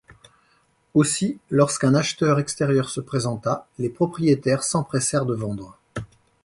Aussi, lorsqu'un acheteur extérieur se présenta, les propriétaires s'empressèrent de vendre.